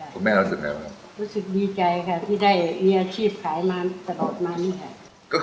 ก็แม่รู้สึกไงบ้างครับ